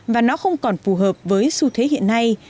và nó không còn phù hợp với xu thế hiện nay